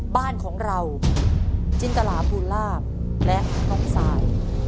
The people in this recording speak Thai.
บ้านของเราจินตลาภูลาภและน้องทราย